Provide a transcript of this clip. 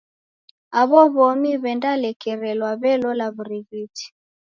Aw'o w'omi w'endalekerelwa w'elola w'urighiti.